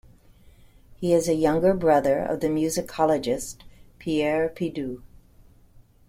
He is a younger brother of the musicologist, Pierre Pidoux.